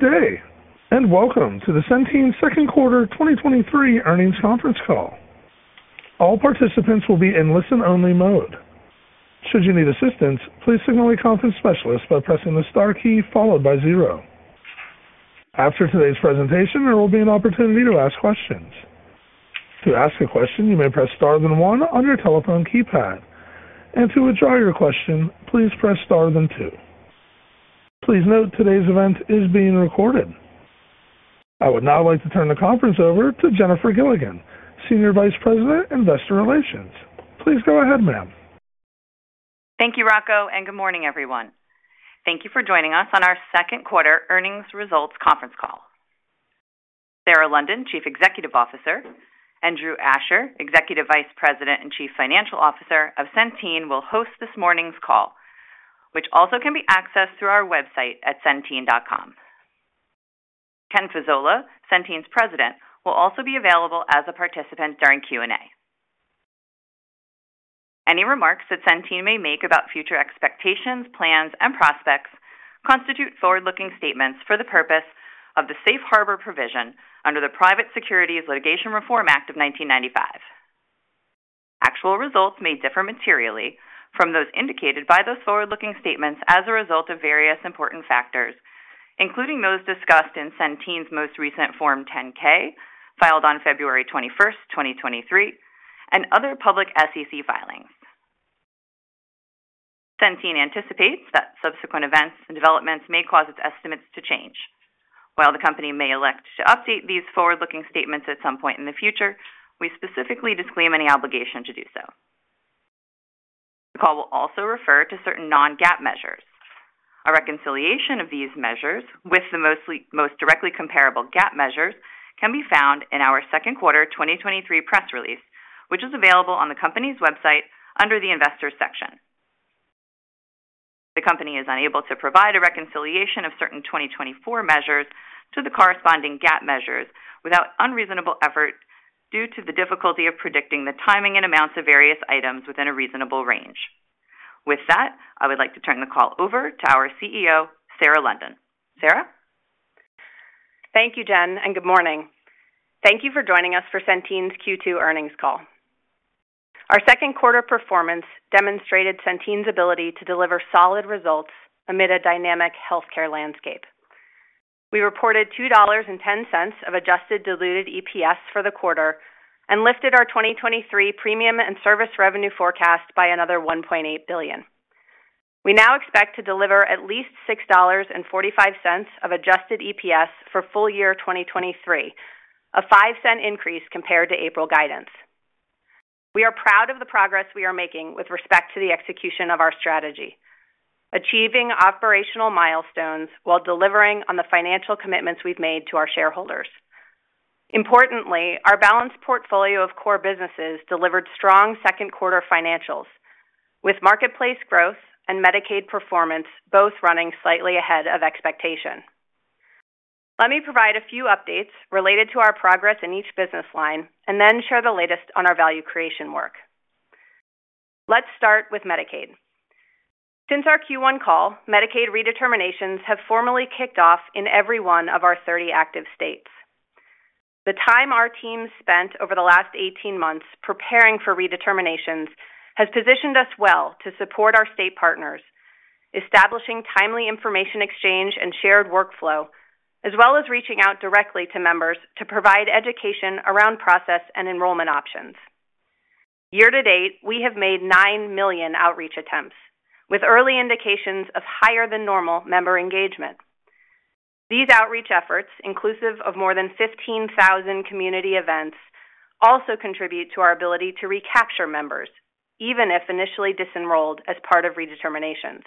Good day, welcome to the Centene second quarter 2023 earnings conference call. All participants will be in listen-only mode. Should you need assistance, please signal a conference specialist by pressing the star key followed by zero. After today's presentation, there will be an opportunity to ask questions. To ask a question, you may press star, then one on your telephone keypad. To withdraw your question, please press star, then two. Please note, today's event is being recorded. I would now like to turn the conference over to Jennifer Gilligan, Senior Vice President, Investor Relations. Please go ahead, ma'am. Thank you, Rocco. Good morning, everyone. Thank you for joining us on our second quarter earnings results conference call. Sarah London, Chief Executive Officer, and Drew Asher, Executive Vice President and Chief Financial Officer of Centene, will host this morning's call, which also can be accessed through our website at centene.com. Ken Fasola, Centene's President, will also be available as a participant during Q&A. Any remarks that Centene may make about future expectations, plans, and prospects constitute forward-looking statements for the purpose of the Safe Harbor Provision under the Private Securities Litigation Reform Act of 1995. Actual results may differ materially from those indicated by those forward-looking statements as a result of various important factors, including those discussed in Centene's most recent Form 10-K, filed on February 21, 2023, and other public SEC filings. Centene anticipates that subsequent events and developments may cause its estimates to change. While the company may elect to update these forward-looking statements at some point in the future, we specifically disclaim any obligation to do so. The call will also refer to certain non-GAAP measures. A reconciliation of these measures with the most directly comparable GAAP measures can be found in our second quarter 2023 press release, which is available on the company's website under the Investors section. The company is unable to provide a reconciliation of certain 2024 measures to the corresponding GAAP measures without unreasonable effort due to the difficulty of predicting the timing and amounts of various items within a reasonable range. With that, I would like to turn the call over to our CEO, Sarah London. Sarah? Thank you, Jennifer Gilligan, and good morning. Thank you for joining us for Centene's Q2 earnings call. Our second quarter performance demonstrated Centene's ability to deliver solid results amid a dynamic healthcare landscape. We reported $2.10 of adjusted diluted EPS for the quarter and lifted our 2023 premium and service revenue forecast by another $1.8 billion. We now expect to deliver at least $6.45 of adjusted EPS for full year 2023, a $0.05 increase compared to April guidance. We are proud of the progress we are making with respect to the execution of our strategy, achieving operational milestones while delivering on the financial commitments we've made to our shareholders. Importantly, our balanced portfolio of core businesses delivered strong second quarter financials, with marketplace growth and Medicaid performance both running slightly ahead of expectation. Let me provide a few updates related to our progress in each business line and then share the latest on our value creation work. Let's start with Medicaid. Since our Q1 call, Medicaid redeterminations have formally kicked off in every one of our 30 active states. The time our team spent over the last 18 months preparing for redeterminations has positioned us well to support our state partners, establishing timely information exchange and shared workflow, as well as reaching out directly to members to provide education around process and enrollment options. Year-to-date, we have made 9 million outreach attempts, with early indications of higher-than-normal member engagement. These outreach efforts, inclusive of more than 15,000 community events, also contribute to our ability to recapture members, even if initially disenrolled as part of redeterminations.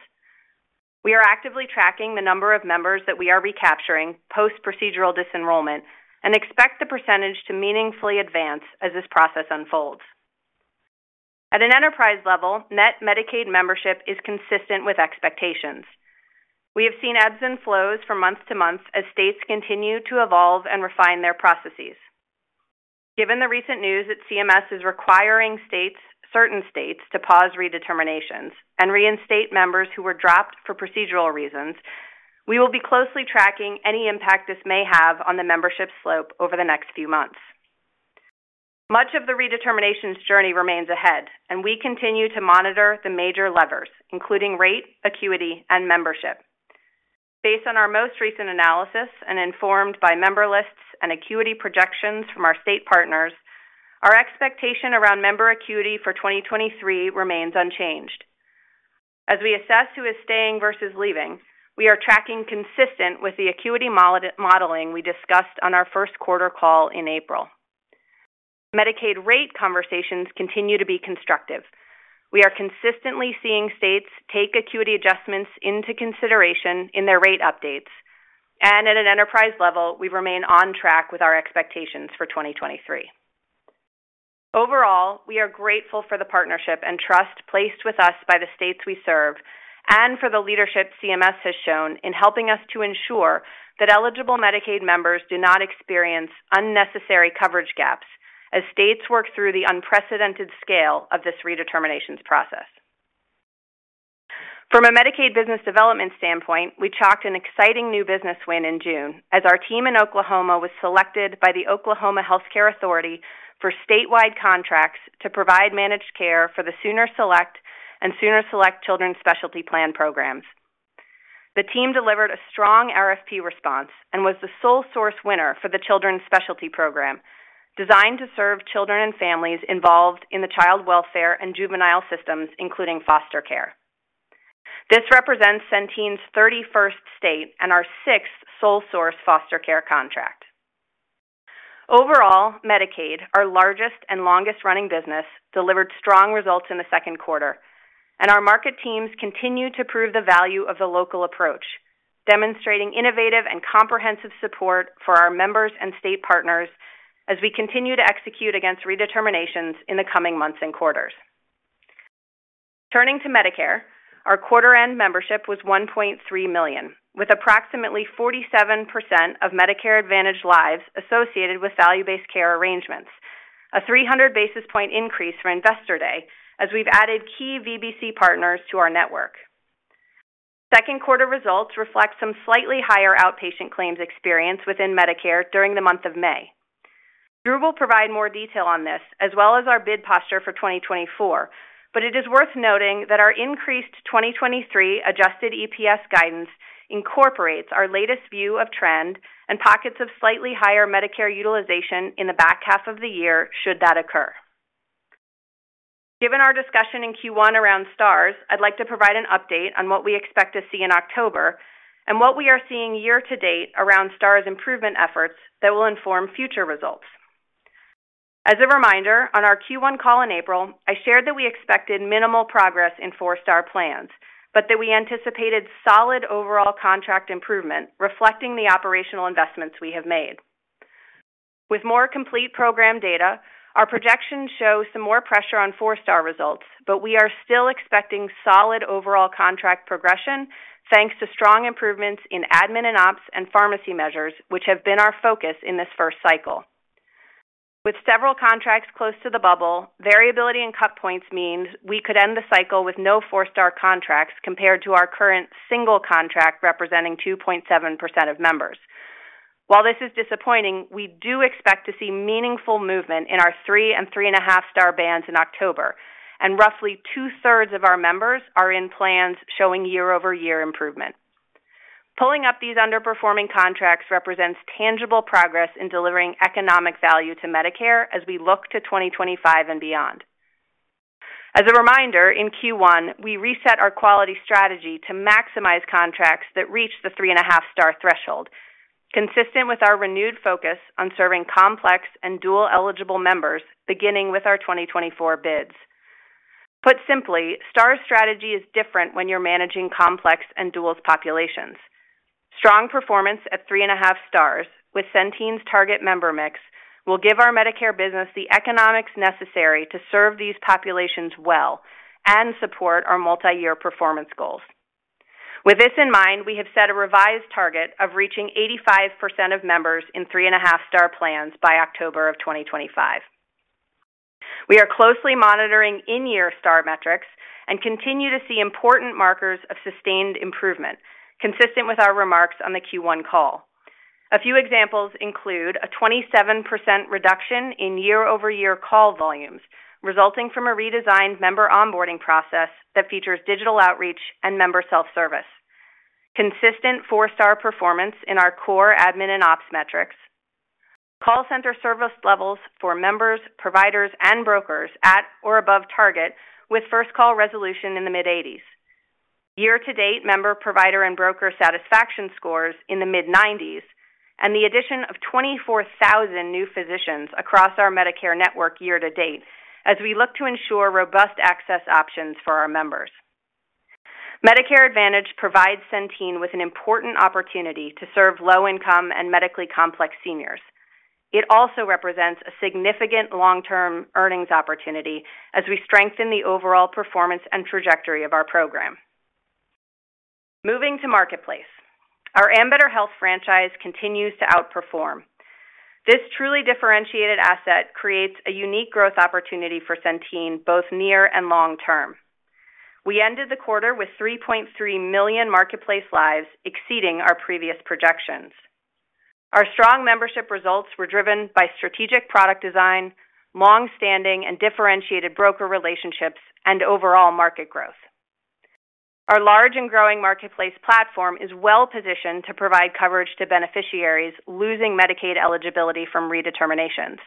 We are actively tracking the number of members that we are recapturing post-procedural disenrollment and expect the percentage to meaningfully advance as this process unfolds. At an enterprise level, net Medicaid membership is consistent with expectations. We have seen ebbs and flows from month to month as states continue to evolve and refine their processes. Given the recent news that CMS is requiring states, certain states to pause redeterminations and reinstate members who were dropped for procedural reasons, we will be closely tracking any impact this may have on the membership slope over the next few months. Much of the redeterminations journey remains ahead, and we continue to monitor the major levers, including rate, acuity, and membership. Based on our most recent analysis and informed by member lists and acuity projections from our state partners, our expectation around member acuity for 2023 remains unchanged. As we assess who is staying versus leaving, we are tracking consistent with the acuity modeling we discussed on our first quarter call in April. Medicaid rate conversations continue to be constructive. We are consistently seeing states take acuity adjustments into consideration in their rate updates, at an enterprise level, we remain on track with our expectations for 2023. Overall, we are grateful for the partnership and trust placed with us by the states we serve, and for the leadership CMS has shown in helping us to ensure that eligible Medicaid members do not experience unnecessary coverage gaps as states work through the unprecedented scale of this redeterminations process. From a Medicaid business development standpoint, we chalked an exciting new business win in June, as our team in Oklahoma was selected by the Oklahoma Health Care Authority for statewide contracts to provide managed care for the SoonerSelect and SoonerSelect Children's Specialty Plan programs. The team delivered a strong RFP response and was the sole source winner for the Children's Specialty Program, designed to serve children and families involved in the child welfare and juvenile systems, including foster care. This represents Centene's 31st state and our sixth sole source foster care contract. Overall, Medicaid, our largest and longest-running business, delivered strong results in the second quarter. Our market teams continue to prove the value of the local approach, demonstrating innovative and comprehensive support for our members and state partners as we continue to execute against redeterminations in the coming months and quarters. Turning to Medicare, our quarter-end membership was 1.3 million, with approximately 47% of Medicare Advantage lives associated with value-based care arrangements, a 300 basis point increase for Investor Day as we've added key VBC partners to our network. Second quarter results reflect some slightly higher outpatient claims experience within Medicare during the month of May. Drew will provide more detail on this, as well as our bid posture for 2024, but it is worth noting that our increased 2023 adjusted EPS guidance incorporates our latest view of trend and pockets of slightly higher Medicare utilization in the back half of the year, should that occur. Given our discussion in Q1 around Stars, I'd like to provide an update on what we expect to see in October and what we are seeing year-to-date around Stars improvement efforts that will inform future results. As a reminder, on our Q1 call in April, I shared that I expected minimal progress in 4-Star plans, but that I anticipated solid overall contract improvement, reflecting the operational investments we have made. With more complete program data, our projections show some more pressure on 4-star results, but we are still expecting solid overall contract progression, thanks to strong improvements in admin and ops and pharmacy measures, which have been our focus in this first cycle. With several contracts close to the bubble, variability in cut points means we could end the cycle with no 4-star contracts, compared to our current single contract, representing 2.7% of members. While this is disappointing, we do expect to see meaningful movement in our 3 and 3.5 star bands in October, and roughly two-thirds of our members are in plans showing year-over-year improvement. Pulling up these underperforming contracts represents tangible progress in delivering economic value to Medicare as we look to 2025 and beyond. As a reminder, in Q1, we reset our quality strategy to maximize contracts that reach the 3.5 Star threshold, consistent with our renewed focus on serving complex and dual-eligible members beginning with our 2024 bids. Put simply, Star strategy is different when you're managing complex and dual populations. Strong performance at 3.5 Stars with Centene's target member mix will give our Medicare business the economics necessary to serve these populations well and support our multi-year performance goals. With this in mind, we have set a revised target of reaching 85% of members in 3.5 Star plans by October of 2025. We are closely monitoring in-year Star metrics and continue to see important markers of sustained improvement, consistent with our remarks on the Q1 call. A few examples include a 27% reduction in year-over-year call volumes, resulting from a redesigned member onboarding process that features digital outreach and member self-service. Consistent 4-star performance in our core admin and ops metrics. Call center service levels for members, providers, and brokers at or above target, with first call resolution in the mid-80s. Year-to-date, member, provider, and broker satisfaction scores in the mid-90s, and the addition of 24,000 new physicians across our Medicare network year-to-date, as we look to ensure robust access options for our members. Medicare Advantage provides Centene with an important opportunity to serve low-income and medically complex seniors. It also represents a significant long-term earnings opportunity as we strengthen the overall performance and trajectory of our program. Moving to Marketplace, our Ambetter Health franchise continues to outperform. This truly differentiated asset creates a unique growth opportunity for Centene, both near and long term. We ended the quarter with 3.3 million marketplace lives, exceeding our previous projections. Our strong membership results were driven by strategic product design, long-standing and differentiated broker relationships, and overall market growth. Our large and growing marketplace platform is well positioned to provide coverage to beneficiaries losing Medicaid eligibility from redeterminations,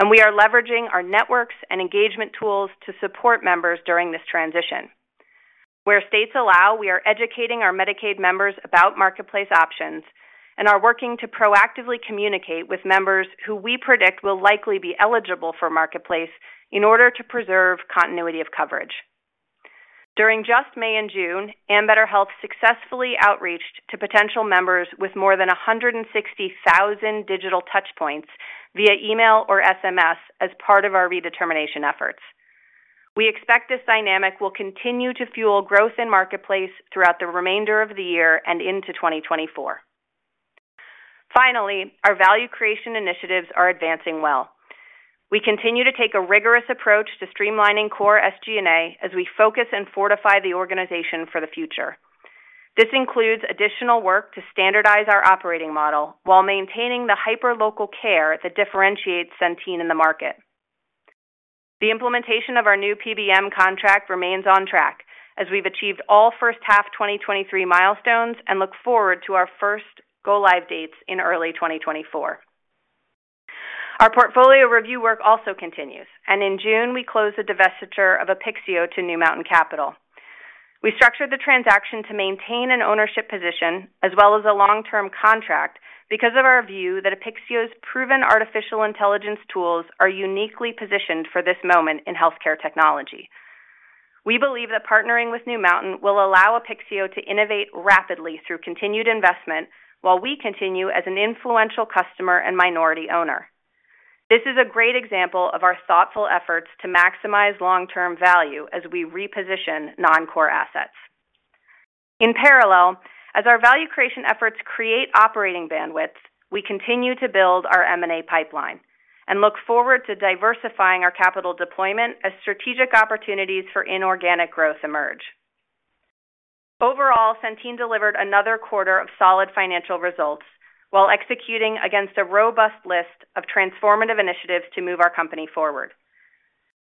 and we are leveraging our networks and engagement tools to support members during this transition. Where states allow, we are educating our Medicaid members about marketplace options and are working to proactively communicate with members who we predict will likely be eligible for Marketplace in order to preserve continuity of coverage. During just May and June, Ambetter Health successfully outreached to potential members with more than 160,000 digital touchpoints via email or SMS as part of our redetermination efforts. We expect this dynamic will continue to fuel growth in Marketplace throughout the remainder of the year and into 2024. Finally, our value creation initiatives are advancing well. We continue to take a rigorous approach to streamlining core SG&A as we focus and fortify the organization for the future. This includes additional work to standardize our operating model while maintaining the hyper-local care that differentiates Centene in the market. The implementation of our new PBM contract remains on track, as we've achieved all first half 2023 milestones and look forward to our first go-live dates in early 2024. Our portfolio review work also continues. In June, we closed the divestiture of Apixio to New Mountain Capital. We structured the transaction to maintain an ownership position as well as a long-term contract, because of our view that Apixio's proven artificial intelligence tools are uniquely positioned for this moment in healthcare technology. We believe that partnering with New Mountain will allow Apixio to innovate rapidly through continued investment, while we continue as an influential customer and minority owner. This is a great example of our thoughtful efforts to maximize long-term value as we reposition non-core assets. In parallel, as our value creation efforts create operating bandwidth, we continue to build our M&A pipeline and look forward to diversifying our capital deployment as strategic opportunities for inorganic growth emerge. Overall, Centene delivered another quarter of solid financial results while executing against a robust list of transformative initiatives to move our company forward.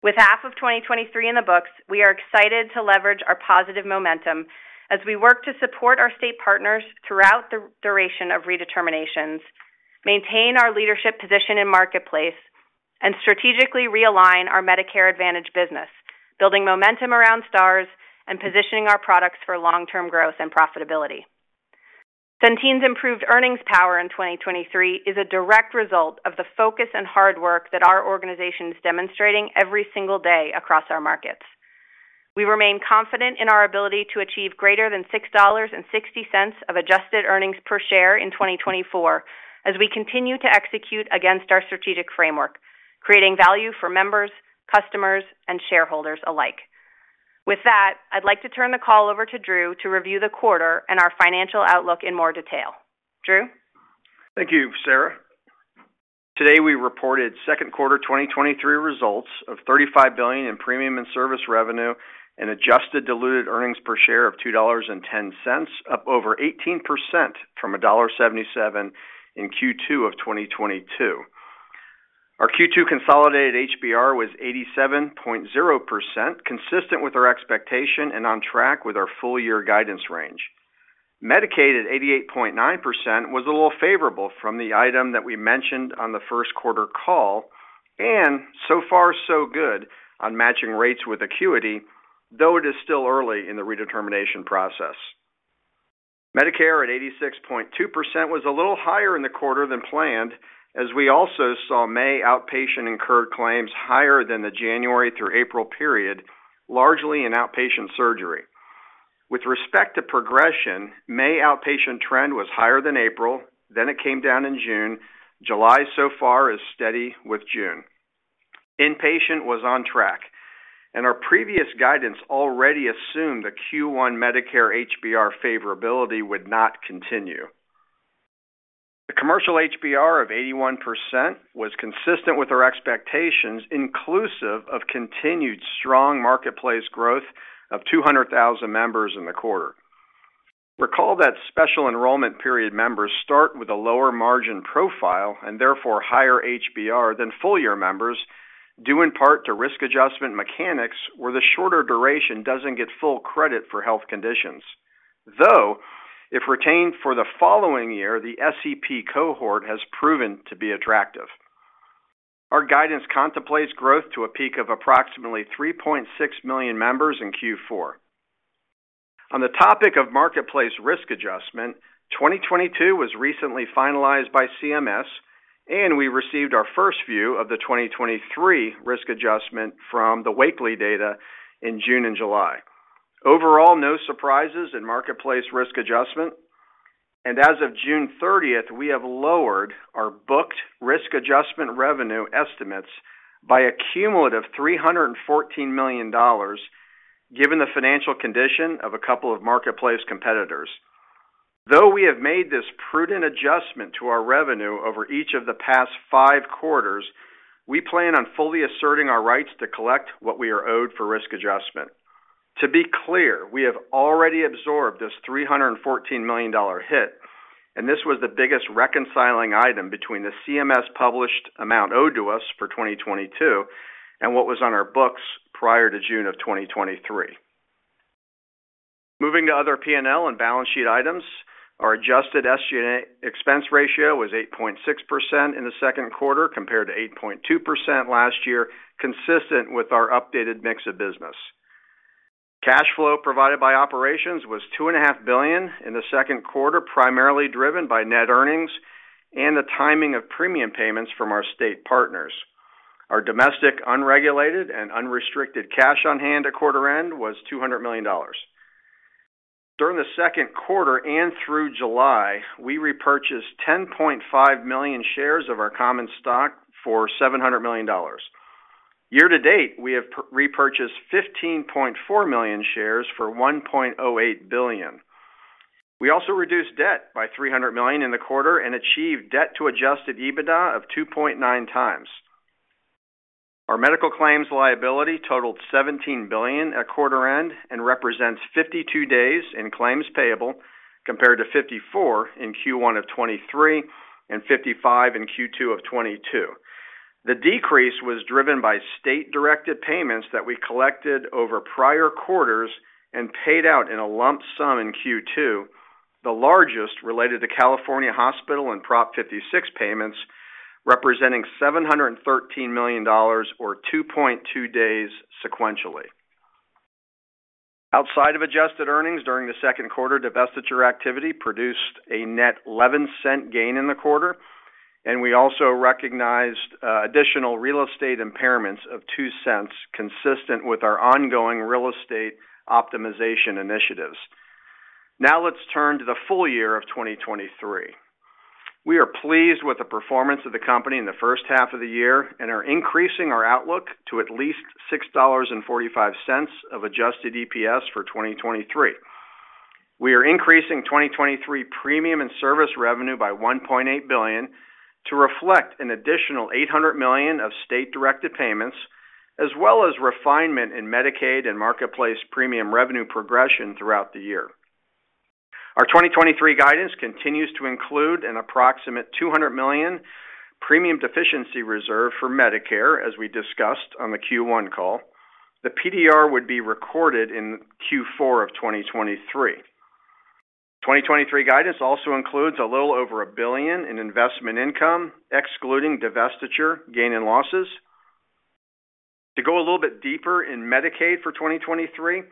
With half of 2023 in the books, we are excited to leverage our positive momentum as we work to support our state partners throughout the duration of redeterminations, maintain our leadership position in Marketplace, and strategically realign our Medicare Advantage business, building momentum around stars and positioning our products for long-term growth and profitability. Centene's improved earnings power in 2023 is a direct result of the focus and hard work that our organization is demonstrating every single day across our markets. We remain confident in our ability to achieve greater than $6.60 of adjusted earnings per share in 2024, as we continue to execute against our strategic framework, creating value for members, customers, and shareholders alike. With that, I'd like to turn the call over to Drew to review the quarter and our financial outlook in more detail. Drew? Thank you, Sarah. Today, we reported second quarter 2023 results of $35 billion in premium and service revenue, an adjusted diluted earnings per share of $2.10, up over 18% from $1.77 in Q2 of 2022. Our Q2 consolidated HBR was 87.0%, consistent with our expectation and on track with our full year guidance range. Medicaid, at 88.9%, was a little favorable from the item that we mentioned on the first quarter call, so far, so good on matching rates with Acuity, though it is still early in the redetermination process. Medicare, at 86.2%, was a little higher in the quarter than planned, as we also saw May outpatient incurred claims higher than the January through April period, largely in outpatient surgery. With respect to progression, May outpatient trend was higher than April, then it came down in June. July, so far, is steady with June. Inpatient was on track, and our previous guidance already assumed the Q1 Medicare HBR favorability would not continue. The commercial HBR of 81% was consistent with our expectations, inclusive of continued strong marketplace growth of 200,000 members in the quarter. Recall that special enrollment period members start with a lower margin profile and therefore higher HBR than full year members, due in part to risk adjustment mechanics, where the shorter duration doesn't get full credit for health conditions, though if retained for the following year, the SEP cohort has proven to be attractive. Our guidance contemplates growth to a peak of approximately 3.6 million members in Q4. On the topic of marketplace risk adjustment, 2022 was recently finalized by CMS, and we received our first view of the 2023 risk adjustment from the Wakely data in June and July. Overall, no surprises in marketplace risk adjustment, and as of June 30th, we have lowered our booked risk adjustment revenue estimates by a cumulative $314 million, given the financial condition of a couple of marketplace competitors. Though we have made this prudent adjustment to our revenue over each of the past five quarters, we plan on fully asserting our rights to collect what we are owed for risk adjustment. To be clear, we have already absorbed this $314 million hit, and this was the biggest reconciling item between the CMS published amount owed to us for 2022 and what was on our books prior to June of 2023. Moving to other PNL and balance sheet items, our adjusted SG&A expense ratio was 8.6% in the second quarter, compared to 8.2% last year, consistent with our updated mix of business. Cash flow provided by operations was $2.5 billion in the second quarter, primarily driven by net earnings and the timing of premium payments from our state partners. Our domestic, unregulated, and unrestricted cash on hand at quarter end was $200 million. During the second quarter and through July, we repurchased 10.5 million shares of our common stock for $700 million. Year-to-date, we have repurchased 15.4 million shares for $1.08 billion. We also reduced debt by $300 million in the quarter and achieved debt to adjusted EBITDA of 2.9 times. Our medical claims liability totaled $17 billion at quarter end and represents 52 days in claims payable, compared to 54 in Q1 of 2023 and 55 in Q2 of 2022. The decrease was driven by state-directed payments that we collected over prior quarters and paid out in a lump sum in Q2, the largest related to California Hospital and Prop 56 payments, representing $713 million or 2.2 days sequentially. Outside of adjusted earnings during the second quarter, divestiture activity produced a net $0.11 gain in the quarter, and we also recognized additional real estate impairments of $0.02, consistent with our ongoing real estate optimization initiatives. Now let's turn to the full year of 2023. We are pleased with the performance of the company in the first half of the year and are increasing our outlook to at least $6.45 of adjusted EPS for 2023. We are increasing 2023 premium and service revenue by $1.8 billion to reflect an additional $800 million of state-directed payments, as well as refinement in Medicaid and marketplace premium revenue progression throughout the year. Our 2023 guidance continues to include an approximate $200 million premium deficiency reserve for Medicare, as we discussed on the Q1 call. The PDR would be recorded in Q4 of 2023. 2023 guidance also includes a little over $1 billion in investment income, excluding divestiture gain and losses. To go a little bit deeper in Medicaid for 2023,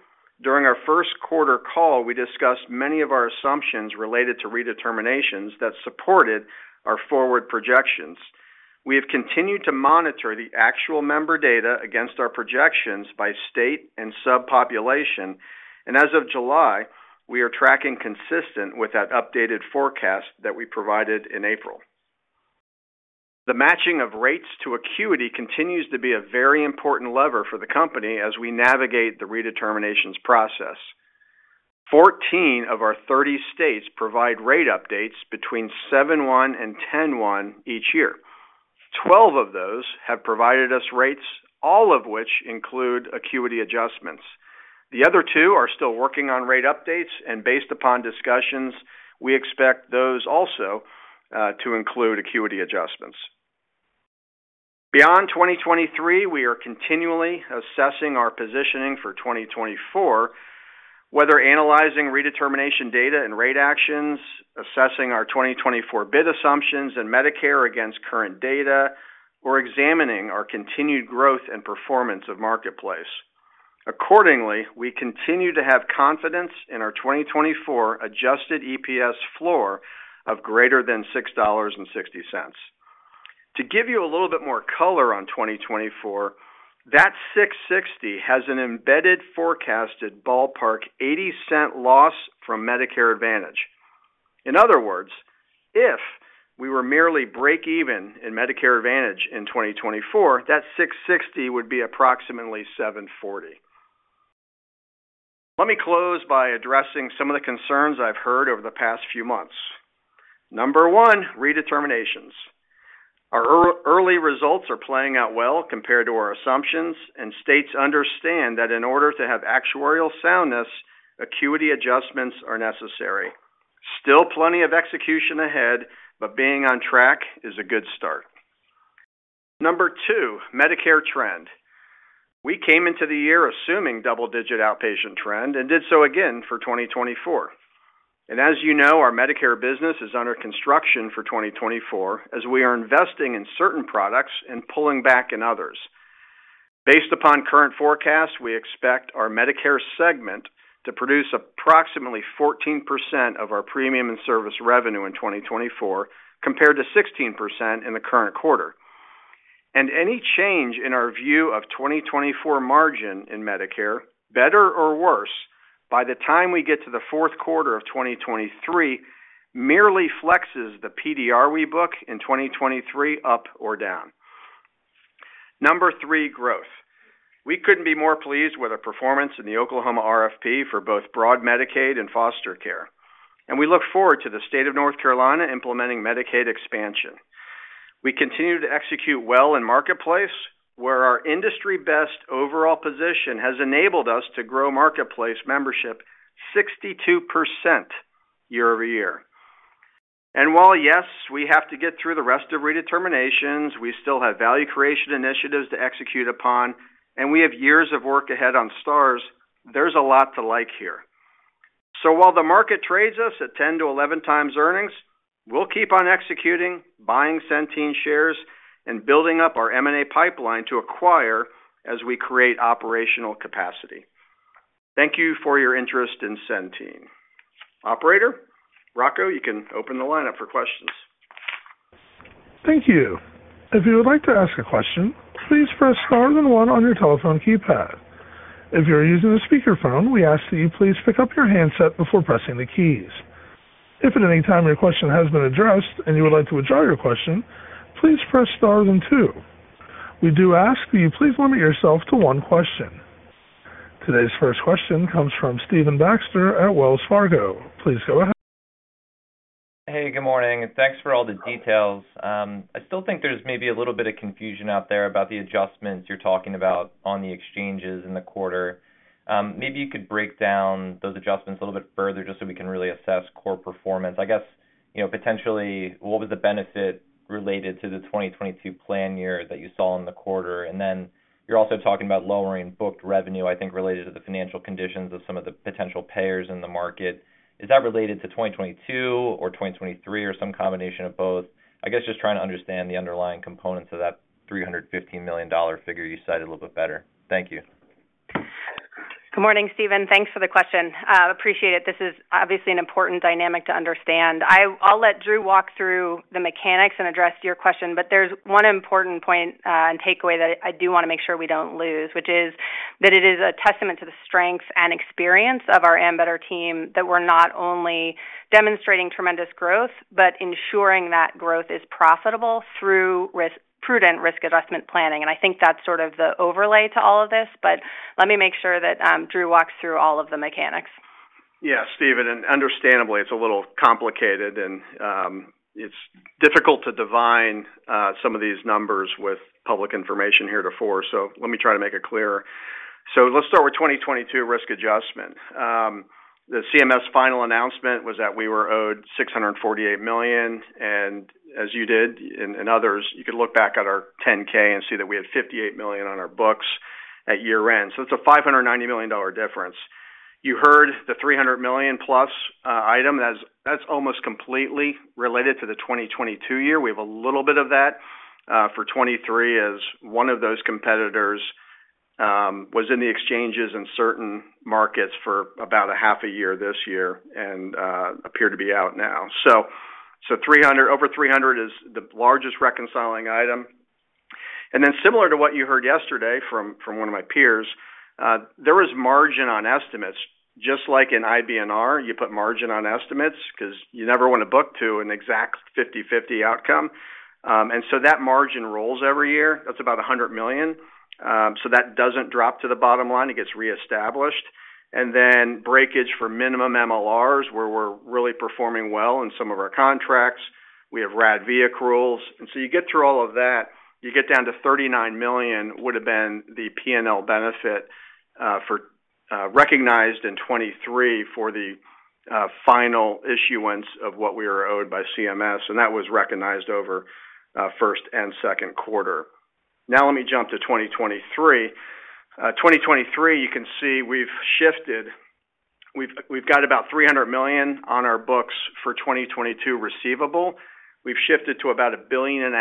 during our first quarter call, we discussed many of our assumptions related to redeterminations that supported our forward projections. We have continued to monitor the actual member data against our projections by state and subpopulation, and as of July, we are tracking consistent with that updated forecast that we provided in April. The matching of rates to acuity continues to be a very important lever for the company as we navigate the redeterminations process. 14 of our 30 states provide rate updates between 7/1 and 10/1 each year. 12 of those have provided us rates, all of which include acuity adjustments. The other two are still working on rate updates, based upon discussions, we expect those also to include acuity adjustments. Beyond 2023, we are continually assessing our positioning for 2024, whether analyzing redetermination data and rate actions, assessing our 2024 bid assumptions in Medicare against current data, or examining our continued growth and performance of Marketplace. Accordingly, we continue to have confidence in our 2024 adjusted EPS floor of greater than $6.60. To give you a little bit more color on 2024, that $6.60 has an embedded forecasted ballpark $0.80 loss from Medicare Advantage. In other words, if we were merely break even in Medicare Advantage in 2024, that $6.60 would be approximately $7.40. Let me close by addressing some of the concerns I've heard over the past few months. Number one, redeterminations. Our early results are playing out well compared to our assumptions. States understand that in order to have actuarial soundness, acuity adjustments are necessary. Still plenty of execution ahead. Being on track is a good start. Number two, Medicare trend. We came into the year assuming double-digit outpatient trend and did so again for 2024. As you know, our Medicare business is under construction for 2024, as we are investing in certain products and pulling back in others. Based upon current forecasts, we expect our Medicare segment to produce approximately 14% of our premium and service revenue in 2024, compared to 16% in the current quarter. Any change in our view of 2024 margin in Medicare, better or worse, by the time we get to the fourth quarter of 2023, merely flexes the PDR we book in 2023, up or down. Number three, growth. We couldn't be more pleased with our performance in the Oklahoma RFP for both broad Medicaid and foster care. We look forward to the state of North Carolina implementing Medicaid expansion. We continue to execute well in Marketplace, where our industry-best overall position has enabled us to grow Marketplace membership 62% year-over-year. While, yes, we have to get through the rest of redeterminations, we still have value creation initiatives to execute upon, and we have years of work ahead on Stars, there's a lot to like here. While the market trades us at 10 to 11 times earnings, we'll keep on executing, buying Centene shares, and building up our M&A pipeline to acquire as we create operational capacity. Thank you for your interest in Centene. Operator? Rocco, you can open the lineup for questions. Thank you. If you would like to ask a question, please press star then one on your telephone keypad. If you're using a speakerphone, we ask that you please pick up your handset before pressing the keys. If at any time your question has been addressed and you would like to withdraw your question, please press star then two. We do ask that you please limit yourself to one question. Today's first question comes from Stephen Baxter at Wells Fargo. Please go ahead. Hey, good morning, and thanks for all the details. I still think there's maybe a little bit of confusion out there about the adjustments you're talking about on the exchanges in the quarter. Maybe you could break down those adjustments a little bit further just so we can really assess core performance. I guess, you know, potentially, what was the benefit related to the 2022 plan year that you saw in the quarter? You're also talking about lowering booked revenue, I think, related to the financial conditions of some of the potential payers in the market. Is that related to 2022 or 2023, or some combination of both? I guess just trying to understand the underlying components of that $315 million figure you cited a little bit better. Thank you. Good morning, Stephen. Thanks for the question. Appreciate it. This is obviously an important dynamic to understand. I'll let Drew walk through the mechanics and address your question, but there's one important point and takeaway that I do want to make sure we don't lose, which is that it is a testament to the strengths and experience of our Ambetter team, that we're not only demonstrating tremendous growth, but ensuring that growth is profitable through risk, prudent risk adjustment planning. I think that's sort of the overlay to all of this, but let me make sure that Drew walks through all of the mechanics. Yeah, Stephen, understandably, it's a little complicated and it's difficult to divine some of these numbers with public information heretofore, so let me try to make it clearer. Let's start with 2022 risk adjustment. The CMS final announcement was that we were owed $648 million, as you did, and others, you could look back at our 10-K and see that we had $58 million on our books at year end. It's a $590 million difference. You heard the $300 million plus item. That's almost completely related to the 2022 year. We have a little bit of that for 2023, as one of those competitors was in the exchanges in certain markets for about a half a year this year, and appeared to be out now. 300, over 300 is the largest reconciling item. Then, similar to what you heard yesterday from, from one of my peers, there was margin on estimates. Just like in IBNR, you put margin on estimates because you never want to book to an exact 50/50 outcome. That margin rolls every year. That's about $100 million. That doesn't drop to the bottom line. It gets reestablished. Then breakage for minimum MLRs, where we're really performing well in some of our contracts. We have RADV rules. You get through all of that, you get down to $39 million, would have been the PNL benefit for recognized in 2023 for the final issuance of what we were owed by CMS, and that was recognized over first and second quarter. Now let me jump to 2023. 2023, you can see we've shifted. We've got about $300 million on our books for 2022 receivable. We've shifted to about $1.5 billion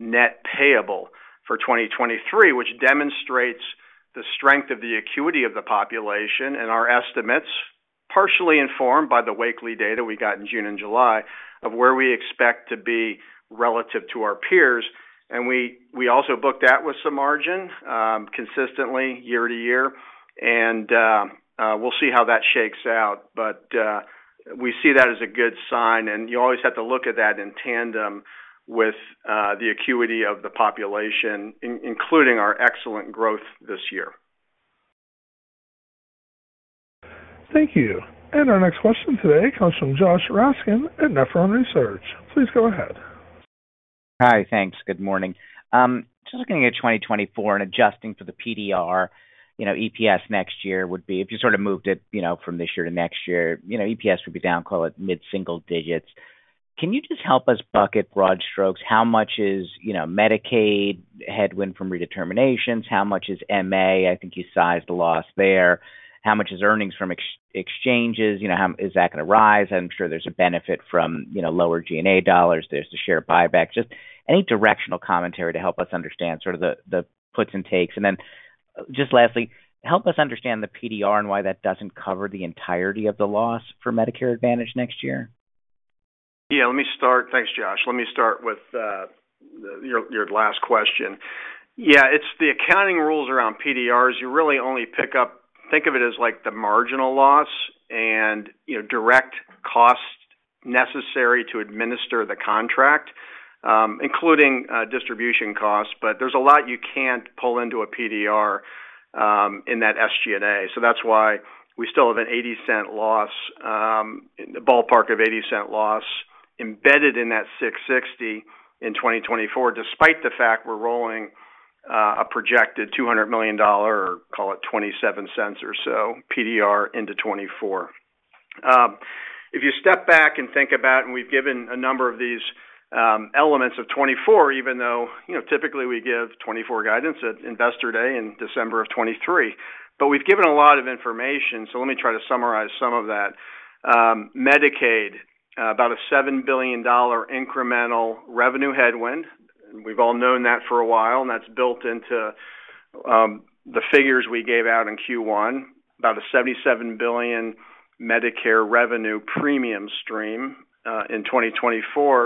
net payable for 2023, which demonstrates the strength of the acuity of the population and our estimates, partially informed by the Wakely data we got in June and July, of where we expect to be relative to our peers. We also booked that with some margin, consistently year-to-year. We'll see how that shakes out, but we see that as a good sign, and you always have to look at that in tandem with the acuity of the population, including our excellent growth this year. Thank you. Our next question today comes from Josh Raskin at Nephron Research. Please go ahead. Hi, thanks. Good morning. Just looking at 2024 and adjusting for the PDR, you know, EPS next year would be, if you sort of moved it, you know, from this year to next year, you know, EPS would be down, call it mid-single digits. Can you just help us bucket broad strokes? How much is, you know, Medicaid headwind from redeterminations? How much is MA? I think you sized the loss there. How much is earnings from ex- exchanges? You know, how is that going to rise? I'm sure there's a benefit from, you know, lower GNA dollars. There's the share buyback. Just any directional commentary to help us understand sort of the, the puts and takes. Just lastly, help us understand the PDR and why that doesn't cover the entirety of the loss for Medicare Advantage next year? Yeah, let me start. Thanks, Josh. Let me start with, your, your last question. Yeah, it's the accounting rules around PDRs. You really only pick up, think of it as like the marginal loss and, you know, direct costs necessary to administer the contract, including, distribution costs. There's a lot you can't pull into a PDR, in that SG&A. That's why we still have an $0.80 loss, in the ballpark of $0.80 loss, embedded in that $6.60 in 2024, despite the fact we're rolling, a projected $200 million, or call it $0.27 or so, PDR into 2024. If you step back and think about, we've given a number of these elements of 2024, even though, you know, typically we give 2024 guidance at Investor Day in December of 2023. We've given a lot of information, so let me try to summarize some of that. Medicaid, about a $7 billion incremental revenue headwind. We've all known that for a while, and that's built into the figures we gave out in Q1. About a $77 billion Medicare revenue premium stream in 2024.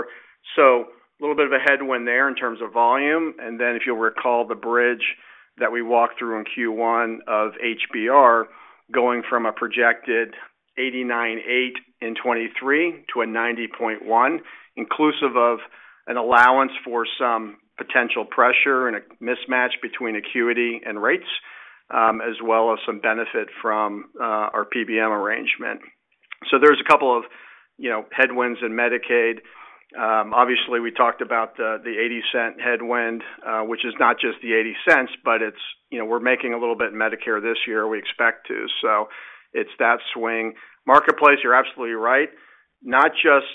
A little bit of a headwind there in terms of volume. If you'll recall, the bridge that we walked through in Q1 of HBR, going from a projected 89.8 in 2023 to a 90.1, inclusive of an allowance for some potential pressure and a mismatch between acuity and rates, as well as some benefit from our PBM arrangement. There's a couple of, you know, headwinds in Medicaid. Obviously, we talked about the, the $0.80 headwind, which is not just the $0.80, but it's, you know, we're making a little bit in Medicare this year. We expect to. It's that swing. Marketplace, you're absolutely right. Not just,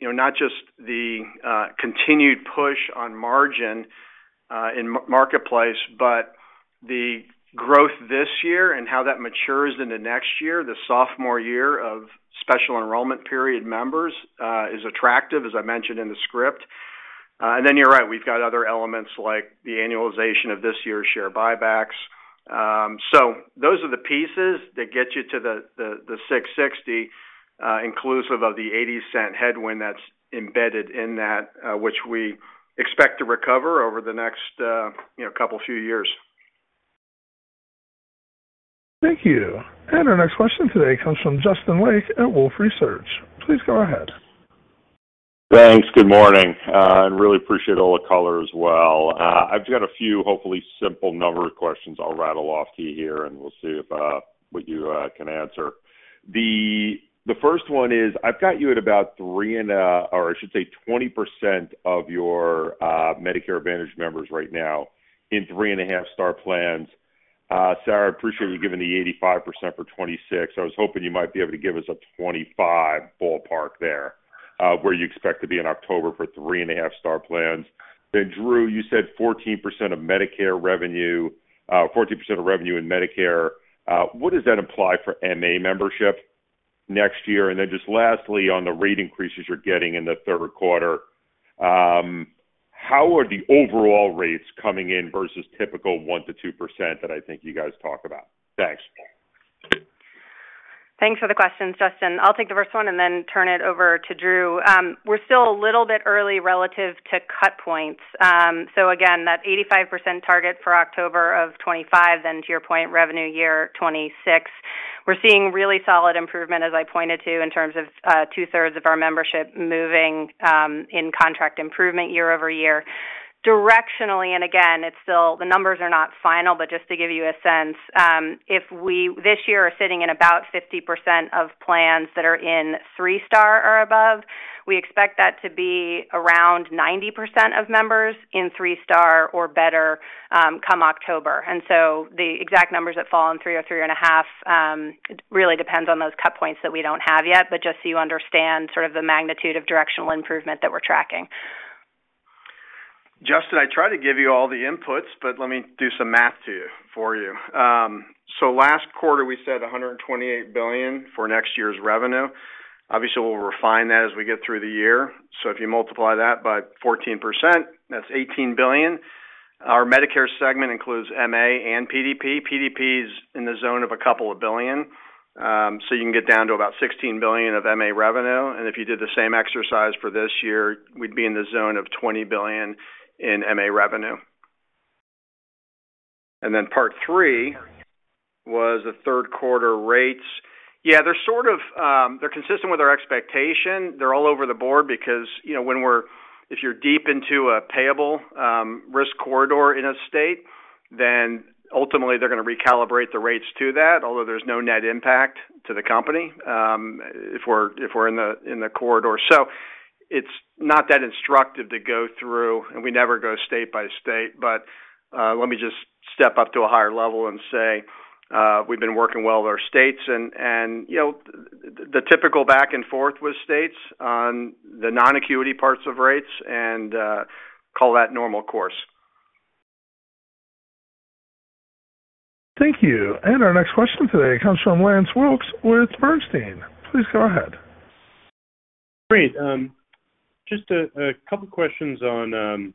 you know, not just the continued push on margin in marketplace, but the growth this year and how that matures into next year, the sophomore year of special enrollment period members, is attractive, as I mentioned in the script. Then you're right, we've got other elements like the annualization of this year's share buybacks. Those are the pieces that get you to the $6.60, inclusive of the $0.80 headwind that's embedded in that, which we expect to recover over the next, you know, couple, few years. Thank you. Our next question today comes from Justin Lake at Wolfe Research. Please go ahead. Thanks. Good morning, really appreciate all the color as well. I've got a few, hopefully simple number of questions I'll rattle off to you here, and we'll see if what you can answer. The first one is, I've got you at about three and, or I should say 20% of your Medicare Advantage members right now in 3.5 star plans. Sarah, I appreciate you giving the 85% for 2026. I was hoping you might be able to give us a 2025 ballpark there, where you expect to be in October for 3.5 star plans. Drew, you said 14% of Medicare revenue, 14% of revenue in Medicare. What does that imply for MA membership next year? Then just lastly, on the rate increases you're getting in the third quarter, how are the overall rates coming in versus typical 1%-2% that I think you guys talk about? Thanks. Thanks for the questions, Justin. I'll take the first one and then turn it over to Drew. We're still a little bit early relative to cut points. Again, that 85% target for October of 2025, then to your point, revenue year 2026. We're seeing really solid improvement, as I pointed to, in terms of two-thirds of our membership moving in contract improvement year-over-year. Directionally, again, it's still the numbers are not final, but just to give you a sense, if we, this year, are sitting in about 50% of plans that are in three star or above, we expect that to be around 90% of members in three star or better, come October. So the exact numbers that fall in 3 or 3.5, really depends on those cut points that we don't have yet, but just so you understand sort of the magnitude of directional improvement that we're tracking. Justin, I tried to give you all the inputs, but let me do some math for you. Last quarter, we said $128 billion for next year's revenue. Obviously, we'll refine that as we get through the year. If you multiply that by 14%, that's $18 billion. Our Medicare segment includes MA and PDP. PDP is in the zone of $2 billion, you can get down to about $16 billion of MA revenue. If you did the same exercise for this year, we'd be in the zone of $20 billion in MA revenue. Then part three was the third quarter rates. Yeah, they're sort of, they're consistent with our expectation. They're all over the board because, you know, if you're deep into a payable, risk corridor in a state, then ultimately they're gonna recalibrate the rates to that, although there's no net impact to the company, if we're, if we're in the, in the corridor. It's not that instructive to go through, and we never go state by state. Let me just step up to a higher level and say, we've been working well with our states and, and, you know, the typical back and forth with states on the non-acuity parts of rates and, call that normal course. Thank you. Our next question today comes from Lance Wilkes with Bernstein. Please go ahead. Great. Just a couple questions on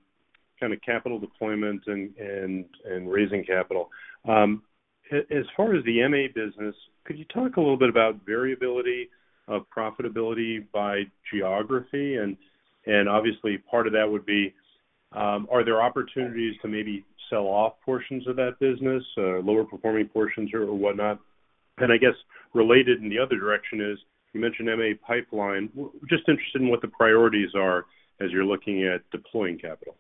kind of capital deployment and, and, and raising capital. As far as the MA business, could you talk a little bit about variability of profitability by geography? Obviously, part of that would be, are there opportunities to maybe sell off portions of that business, lower performing portions or whatnot? I guess related in the other direction is, you mentioned MA pipeline. Just interested in what the priorities are as you're looking at deploying capital.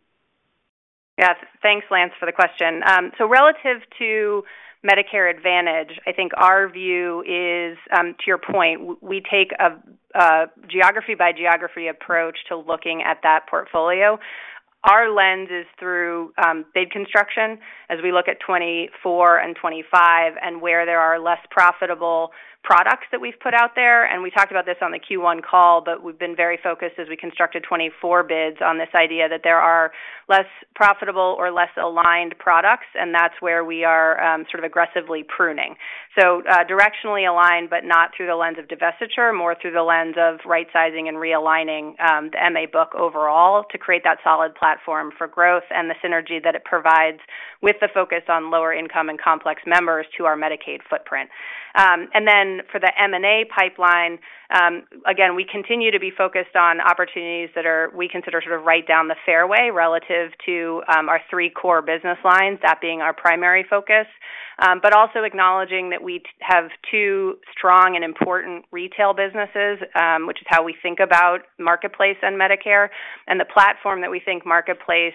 Yeah. Thanks, Lance, for the question. Relative to Medicare Advantage, I think our view is, to your point, we take a geography by geography approach to looking at that portfolio. Our lens is through bid construction as we look at 2024 and 2025 and where there are less profitable products that we've put out there. We talked about this on the Q1 call, we've been very focused as we constructed 2024 bids on this idea that there are less profitable or less aligned products, that's where we are sort of aggressively pruning. Directionally aligned, but not through the lens of divestiture, more through the lens of right sizing and realigning the MA book overall to create that solid platform for growth and the synergy that it provides with the focus on lower income and complex members to our Medicaid footprint. For the M&A pipeline, again, we continue to be focused on opportunities that are, we consider sort of right down the fairway relative to our three core business lines, that being our primary focus. Also acknowledging that we have two strong and important retail businesses, which is how we think about marketplace and Medicare, and the platform that we think marketplace